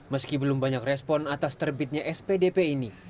meski belum banyak respon atas terbitnya spdp ini